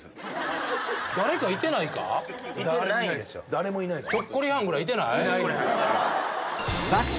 誰もいないですよ。